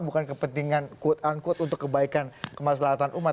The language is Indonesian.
bukan kepentingan untuk kebaikan kemaslahan umat